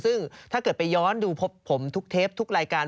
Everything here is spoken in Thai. ซึ่งถ้าเกิดไปย้อนดูผมทุกเทปทุกรายการ